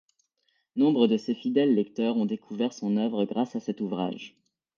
Nombre de ses fidèles lecteurs ont découvert son œuvre grâce à cet ouvrage.